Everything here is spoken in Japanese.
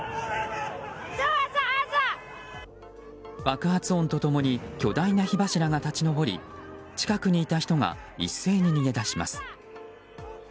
爆発音と共に巨大な火柱が立ち上り近くにいた人が一斉に逃げ出します。